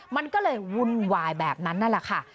มันก็เลยวุ่นวายแบบนั้นนั่นแหละค่ะ